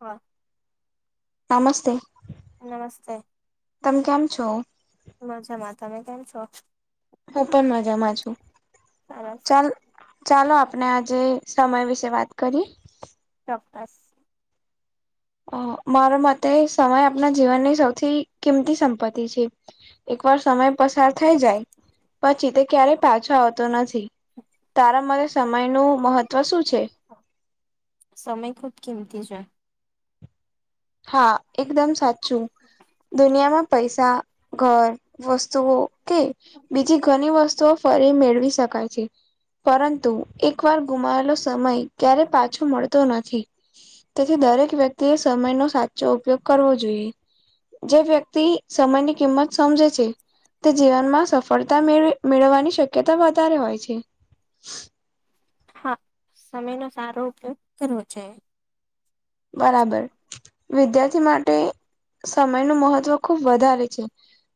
હા. નમસ્તે. નમસ્તે. તમે કેમ છો. મજામાં તમે કેમ છો. હ પણ મજા મા છું સરસ ચાલ. ચાલો આપણે આજે સમય વિશે વાત કરીએ. ચોક્કસ. અ મારા મતે સમય આપણા જીવનની સૌથી કિંમતી સંપત્તિ છે. એક વાર સમય પસાર થઈ જાય પછી તે ક્યારેય પાછો આવતો નથી. તારા મ સમય નું મહત્વ શું છે. સમય ખુબ કિંમતી છે. હા એકદમ સાચું. દુનિયામાં પૈસા ઘર વસ્તુઓ કે. બીજી ઘણી વસ્તુઓ ફરી મેળવી શકાય છે. પરંતુ એક વાર ગુમાયેલો સમય ક્યારે પાછો મળતો નથી. તેથી દરેક વ્યક્તિએ સમયનો સાચો ઉપયોગ કરવો જોઈએ. જે વ્યક્તિ સમયની કિંમત સમજે છે તે જીવનમાં સફળતા મેવી મેળવવાની શક્યતા વધારે હોય છે. હા સમયનો સારો ઉપયોગ કરવો જોઇએ. બરાબર વિદ્યાર્થી માટે. સમયનું મહત્વ ખૂબ વધારે છે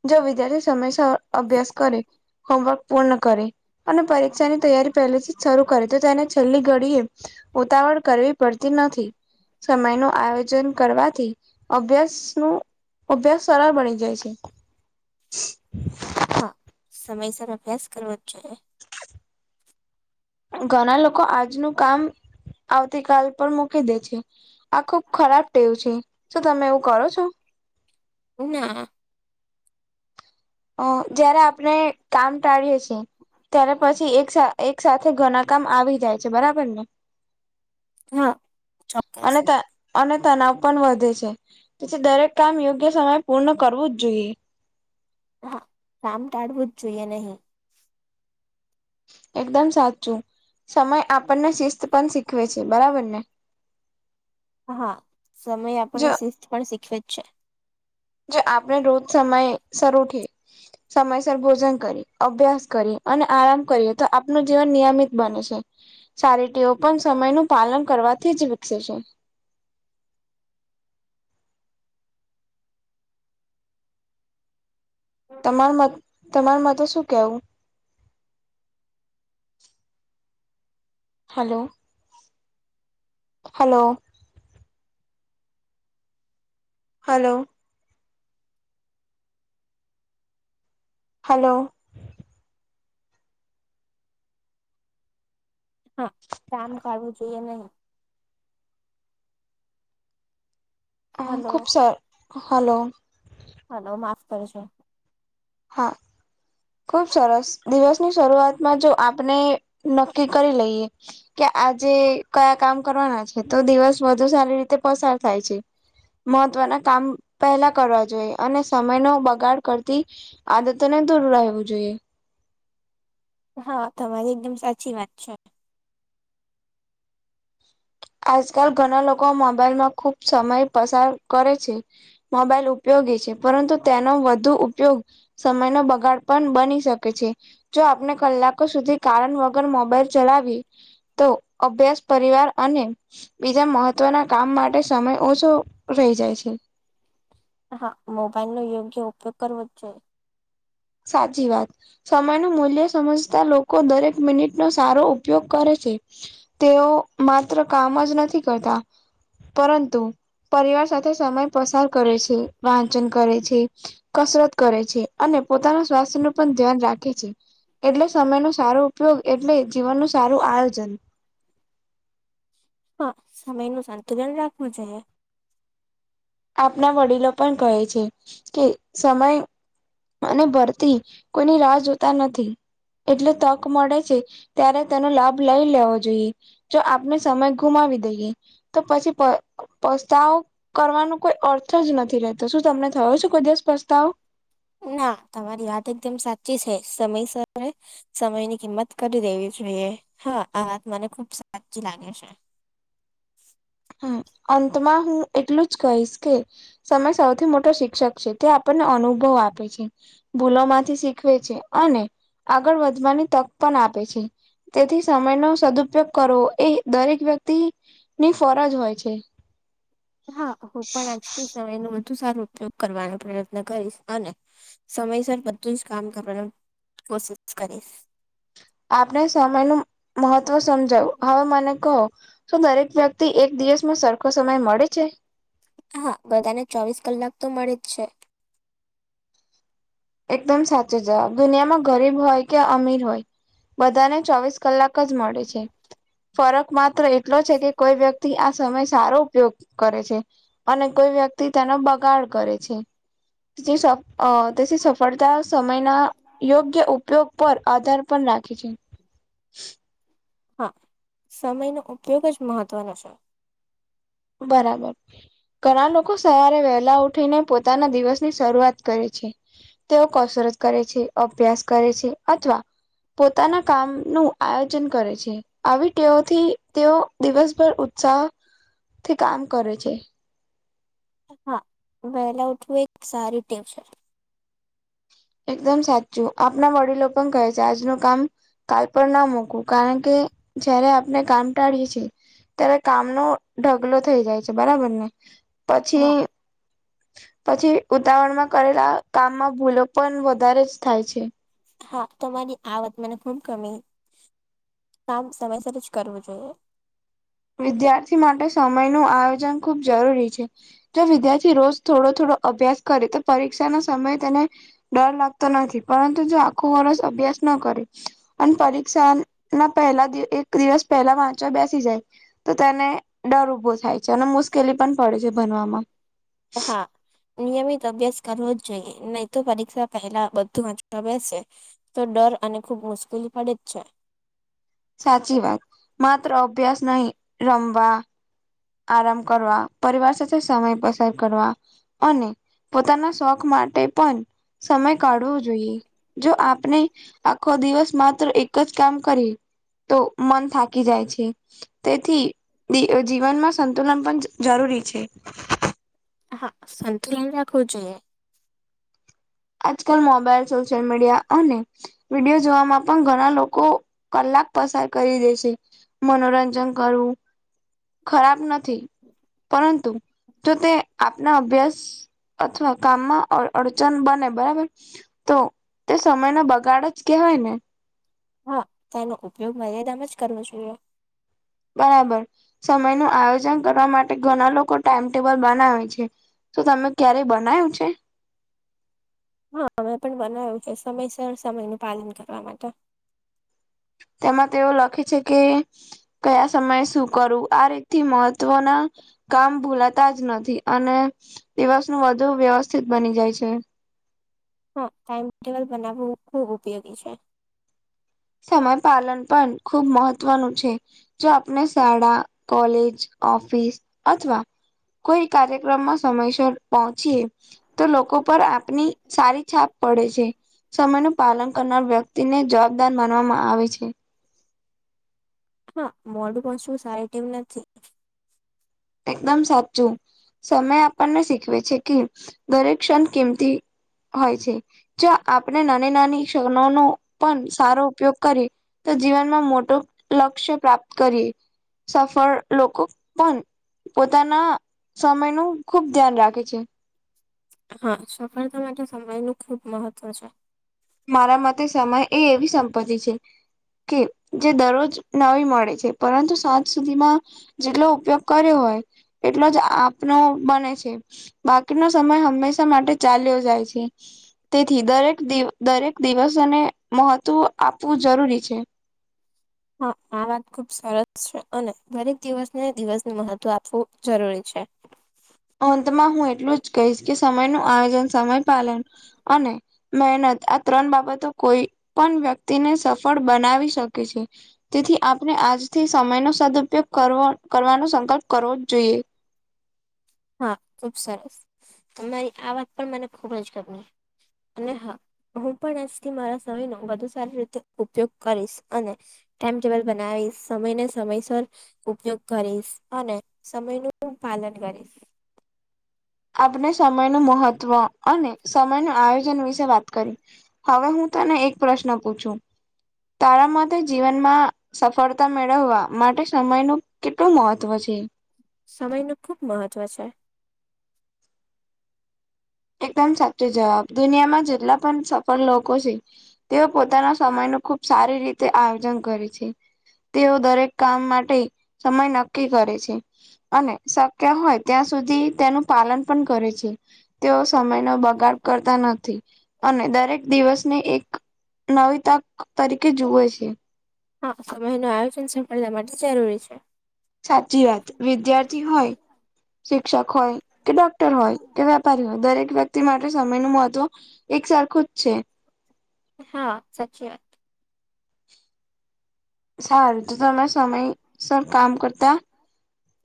જો વિદ્યાર્થી સમય અભ્યાસ કરે. હોમવર્ક પૂર્ણ કરે અને પરીક્ષાની તૈયારી પહેલેથી જ શરૂ કરે તો તેને છેલ્લી ઘડીએ. ઉતાવળ કરવી પડતી નથી. સમય નું આયોજન કરવાથી અભ્યાસ નું. અભ્યાસ સરળ બની જાય છે. હા સમયસર અભ્યાસ કરવો જ જોઈએ. [inaudible] ઘણા લોકો આજનું કામ આવતી કલ પર મૂકી દે છે. આ ખુબ ખરાબ ટેવું છે શ તમે એવું કરો છો. ના. અ જયારે આપણે કામ ટાળીએ છીએ ત્યારે પછી એક. એક સાથેથે ઘણા કામ આવી જાય છે બરાબર ને. હા ચોક્કસ અને ત. અને તનાવ પણ વધે છે તેથી દરેક કામ યોગ્ય સમય પૂર્ણ કરવું જ જોઈએ. હા કમ ટાળવું જ જોઈએ નહી. એકદમ સાચું સમય આપણને શિસ્ત. પણ શીખવે છે બરાબર ને. હા સમય આપણને જો શિસ્ત પણ શીખવે જ છે. જે આપણે રોજ સમયે શર ઉઠી સમયસર ભોજન કરી, અભ્યાસ કરી અને આરામ કરીએ તો આપનું જીવન નિયમિત બને છે. ચારીટીઓ પણ સમય નું પાલન કરવાથી જ વિકસે છે. તમાર મત તમારા માટે શું કેવું? હાલો. હાલો. હાલો. હાલો. હા કામ કાઢવું જોઈએ નહી. આ હલો ખૂબ સ હાલો. હાલો માફ કરસો હા. ખુબ સરસ દિવસની શરૂઆતમાં જો આપણે નક્કી કરી લઈએ કે આજે કયા કામ કરવાના છે, તો દિવસ વધુ સારી રીતે પસાર થાય છે. મહત્વના કામ પહેલા કરવા જોઈએ અને સમયનો બગાડ કરતી આદતો ને દોરું રહેવું જોઈએ. હા તમારી એકદમ સાચી વાત છે. આજકાલ ઘણા લોકો મોબાઈલમાં ખુબ સમય પસાર કરે છે. મોબાઈલ ઉપયોગી છે, પરંતુ તેનો વધુ ઉપયોગ સમયનો બગાડ પણ બની શકે છે. જો આપણે કલાકો સુધી કારણ વગર મોબાઈલ ચલાવી તો અભ્યાસ પરીવાર અને બીજા મહત્વના કામ માટે સમય ઓછો રહી જાય છે. હા મોબાઈલનો યોગ્ય ઉપયોગ કરવો જ જો સાચી વાત સમયનુ મૂલ્ય સમજતા લોકો દરેક મિનિટનો સારો ઉપયોગ કરે છે. તેઓ માત્ર કામ જ નથી કરતા પરંતુ પરિવાર સાથે સમય પસાર કરે છે, વાંચન કરે છે. કસરત કરે છે, અને પોતાના સ્વાસ્થ્યનું પણ ધ્યાન રાખે છે. એટલે સમયનુ સારો ઉપયોગ એટલે જીવનનું સારું આયોજન હા સમયનું સંતુલન રાખવું જોઈએ આપના વડીલો પણ કહે છે, કે સમય અને ભરતી કોઈની રાહ જોતા નથી એટલે તક મળે છે, ત્યારે તેનો લાભ લઈ લેવો જોઈએ જો આપને સમય ગુમાવી દઈએ તો પછી પ પસ્તાવ કરવાનું કોઈ અર્થ જ નથી રહેતો શું તમને થયો છે, કોઈ દેશ પ્રસ્તાવ? ના તમારી વાત એકદમ સાચી છે, સમય સરે સમયની કિંમત કરી દેવી જોઈએ હા આ વાત મને ખુબ સાચી લાગે છે. હા અંતમાં હું એટલું જ કહીશ કે સમય સૌથી મોટો શિક્ષક છે, તે આપણને અનુભવ આપે છે. ભૂલો માંથી શીખવે છે, અને આગળ વધવાની તક પણ આપે છે. તેથી સમયનો સદઉપયોગ કરવો એ દરેક વ્યક્તિ ની ફરજ હોય છે. હા હું પણ આજથી સમયનુ વધુ સારો ઉપયોગ કરવાનો પ્રયત્ન કરીશ અને સમયસર બધું જ કામ કરવાનું કોશિશ કરીશ આપણે સમયનું મહત્વ સમજાવું હવે મને કહો શું દરેક વ્યક્તિ એક દિવસમાં સરખો સમય મળે છે. હા બધાને ચોવીસ કલાક તો મળે જ છે. એકદમ સાચો જવાબ દુનિયામાં ગરીબ હોય કે અમીર હોય બધાને ચોવીસ કલાક એક જ મળે છે, ફરક માત્ર એટલો છે કે કોઈ વ્યક્તિ સમય સારો ઉપયોગ કરે છે, અને કોઈ વ્યક્તિ તેનો બગાડ કરે છે. [unintelligible] પડતા સમયના યોગ્ય ઉપયોગ પર આધાર પણ રાખે છે. હા સમયનો ઉપયોગ જ મહત્ત્વનો છે. બરાબર ઘણા લોકો સવારે વહેલા ઉઠીને પોતાના દિવસ ની શરૂઆત કરે છે. તેઓ કસરત કરે છે અભ્યાસ કરે છે અથવા પોતાના કામ નું આયોજન કરે છે. આવી ટેઓથી તેઓ દિવસભર ઉત્સાહ તેથી કામ કરે છે. હા વેલા ઉઠવું એ એક સારી ટેવ છે. એકદમ સાચું આપના વડીલો પણ કહે છે, આજનું કામ કાલ પણ ના મૂકવું કારણ કે જયારે આપણે કામ ટાણીએછી ત્યારે કામનો ઢગલો થઈ જાય છે. બરાબર ને પછી હા પછી ઉતાવળમાં કરેલા કામમાં ભૂલો પણ વધારે જ થાય છે. હા તમારી આ વાત મને ખૂબ ગમી કામ સમયસર જ કરવું જોઈએ. વિદ્યાર્થી માટે સમય નું આયોજન ખૂબ જરૂરી છે. જો વિદ્યાર્થી રોજ થોડો થોડો અભ્યાસ કરે તો પરીક્ષા ના સમયે તેને ડર લાગતો નથી, પરંતુ જો આખું વર્ષ અભ્યાસ ન કરે અને પરીક્ષા ના પહેલા એક દિવસ પહેલા વાંચવા બેસી જાય તો તેને ડર ઉભો થાય છે અને મુશ્કેલી પણ પડે છે, ભનવામાં હ હા નિયમિત અભ્યાસ કરવો જ જોઈએ નહી તો પરીક્ષા પહેલા બધું [unintelligible] છે. તો ડર અને ખુબ મુશ્કેલી પડે જ છે. સાચી વાત માત્ર અભ્યાસ નહી રમવા આરામ કરવા પરિવાર સાથે સમય પસાર કરવા અને પોતાના શોખ માટે પણ સમય કાઢવો જોઈએ. જો આપને આખો દિવસ માત્ર એક જ કામ કરીએ. તો મન થાકી જાય છે, તેથી જીવનમાં સંતુલન પણ જરૂરી છે. હા, સંંતુલન રાખવું જોઈએ. આજકાલ મોબાઈલ સોશિયલ મીડિયા અને વિડીયો જોવામાં પણ ઘણા લોકો કલાક પસાર કરી દે છે. મનોરંજન કરવું ખરાબ નથી પરંતુ જો તે આપના અભ્યાસ અથવા કામમાં અડચન બને બરાબર તો તે સમય નો બગાડ જ કેવાય ને હા તોનો ઉપયોગ મર્યાદામા જ કરવો જોઈએ. બરાબર સમય નું આયોજન કરવા માટે ઘણા લોકો ટાઈમટેબલ બનાવે છે. તો તમે ક્યારેય બનાય્યું છે? હા, અમે પણ બનાવ્યું છે સમયસર સમયનું પાલન કરવા માટે. તેમાં તેઓ લખે છે કે કયા સમયે શું કરવું આ રીતથી મહત્વના કામ ભૂલાતા જ નથી અને દિવસ ન વધુ વ્યવસ્થિત બની જાય છે. હા, ટાઈમ ટેબલ બનાવવું ખુબ ઉપયોગી છે. સમય પાલન પણ ખુબ મહત્વનું છે. જો આપણે શાળા કોલેજ ઓફિસ અથવા કોઈ કાર્યક્રમમાં સમયસર પહોંચીએ. તો લોકો પર આપની સારી છાપ પડે છે. સમય ન પાલન કરનાર વ્યક્તિને જવાબદાર માનવામાં આવે છે. હા મોડું [unintelligible] સારી [unintelligible] નથી. એકદમ સાચું સમય આપણને શીખવે છે, કે દરેક ક્ષણ કિમતી. હોય છે, જો આપણે નાની નાની ક્ષણોનોો પણ સારો ઉપયોગ કરીએ. તો જીવનમાં મોટું લક્ષ્ય પ્રાપ્ત કરીએ સફળ લોકો પણ. પોતાના સમય નું ખુબ ધ્યાન રાખે છે. હા સફળતા માટે સમય નું ખુબ મહત્વ છે. મારા માટે સમય એ એવી સંપત્તિ છે. કે જે દરરોજ નવી મળે છે, પરંતુ સાંજ સુધીમાં. જેટલો ઉપયોગ કર્યો હોય એટલો જ આપનો બને છે. બાકીનો સમય હંમેશા માટે ચાલ્યો જાય છે, તેથી દરેક દ દરેક દિવસને મહત્વ આપવું જરૂરી છે. હા આ વાત ખુબ સરસ છે, અને દરેક દિવસને દિવસને મહત્વ આપવું જરૂરી છે. અંતમાં હું એટલું જ કહીશ કે સમય ન આયોજન સમય પાલન અને. મહેનત આ ત્રણ બાબતો કોઈ પણ વ્યક્તિને સફળ બનાવી શકે છે. તેથી આપણે આજથી સમય [unintelligible] સદપયોગ કરવો કરવાનો સંકલ્પ કરવો જ જોઈએ. હા ખુબ સરસ તમારી આ વાત પણ મને ખુબ જ [unintelligible] અને હા હું પણ આજથી મારા સમયનો [unintelligible] સારી રીતે ઉપયોગ કરીશ અને. ટાઈમ ટેબલ બનાવી સમય ને સમયસર. ઉપયોગ કરીશ અને સમયનું પાલન કરીશ. આપણે સમય નું મહત્વ અને સમય ન આયોજન વિશે વાત કરી. હવે હું તને એક પ્રશ્ન પૂછું તારા માટેતે જીવનમાં. સફળતા મેળવવા માટે સમય ન કેટલું મહત્વ છે. સમય ન ખુબ મહત્વ છે. એકદમ સાચો જવાબ દુનિયામાં જેટલા પણ સફળ લોકો છે. તેઓ પોતાના સમય ન ખુબ સારી રીતે આયોજન કરે છે. તેઓ દરેક કામ માટે સમય નક્કી કરે છે. અને શક્ય હોય ત્યાં સુધી તેનું પાલન પણ કરે છે. સમય નો બગાડ કરતા નથી. અને દરેક દિવસને એક નવી તક તરીકે જુવે છે. હા સમય નું આયોજન સફળતા માટે જરૂરી છે. સાચી વાત વિદ્યાર્થી હોય શિક્ષક હોય કે ડોક્ટર હોય કે [unintelligible] દરેક વ્યક્તિ માટે સમય [unintelligible] મહત્વ એક સરખું જ છે. હા સાચી વાત. સારું તો તમે સમયસર કામ કરતા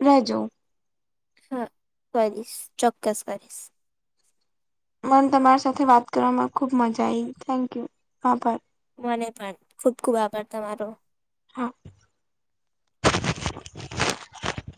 રહેજો. હા કરીશ ચોક્કસ કરીશ. મને તમારી સાથે વાત કરવામાં ખૂબ મજા આવી થેન્ક યુ [unintelligible] મને પણ ખુબ ખુબ આભાર તમારો. હા.